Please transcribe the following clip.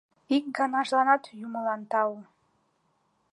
— Ик ганажланат юмылан тау.